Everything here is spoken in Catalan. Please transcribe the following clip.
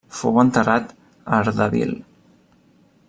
Fou enterrat a Ardabil.